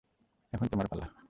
এখন তোমার পালা।